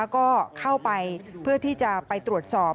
ก็เข้าไปเพื่อที่จะไปตรวจสอบ